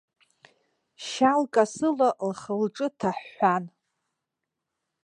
Шьал касыла лхылҿы ҭаҳәҳәан.